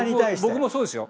僕もそうですよ。